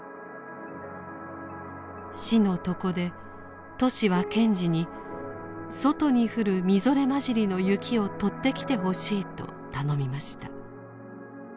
死の床でトシは賢治に外に降るみぞれまじりの雪を取ってきてほしいと頼みました。